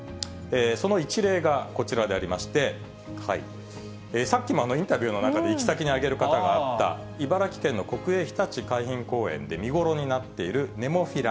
その一例がこちらでありまして、さっきもインタビューの中で、行き先に挙げる方があった、茨城県の国営ひたち海浜公園で見頃になっているネモフィラ。